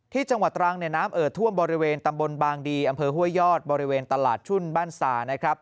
จังหวัดตรังเนี่ยน้ำเอ่อท่วมบริเวณตำบลบางดีอำเภอห้วยยอดบริเวณตลาดชุ่นบ้านสานะครับ